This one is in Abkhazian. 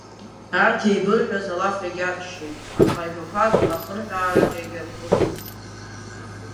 Арҭ еибырҳәаз алаф иагьарччеит, аха ажәақәак ахырҳәааратә иагьархәыцит.